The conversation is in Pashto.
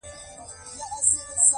باد؛ ترينو ګړدود وګا